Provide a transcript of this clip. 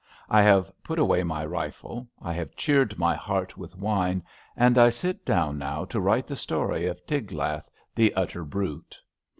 I have put away my rifle, I have cheered my heart with wine, and I sit down now to write the story of Tiglath, the Utter Brute.